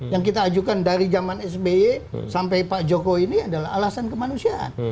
yang kita ajukan dari zaman sby sampai pak jokowi ini adalah alasan kemanusiaan